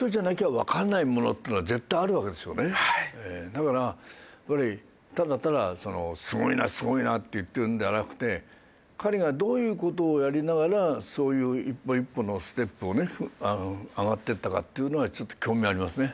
だからやっぱりただただすごいなすごいなって言ってるんではなくて彼がどういう事をやりながらそういう一歩一歩のステップをね上がっていったかっていうのはちょっと興味ありますね。